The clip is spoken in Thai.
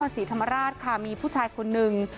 ศรีธรรมราชค่ะมีผู้ชายคนนึง